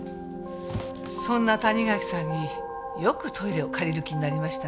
そんな谷垣さんによくトイレを借りる気になりましたね。